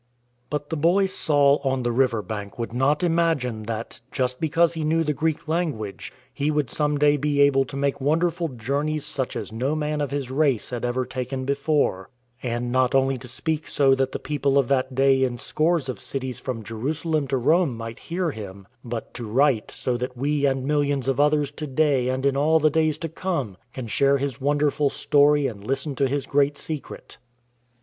But the boy Saul on the river bank would not imagine that, just because he knew the Greek language, he would some day be able to make wonderful journeys such as no man of his race had ever taken before, and not only to speak so that the people of that day in scores of cities from Jerusalem to Rome might hear him, but to write so that we and millions of others to day and in all the days to come can share his won derful story and listen to his great secret.